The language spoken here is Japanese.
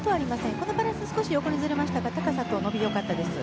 このバランスは少し横にずれましたが高さと伸びは良かったです。